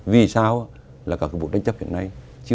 vì sao các vụ tranh chấp hiện nay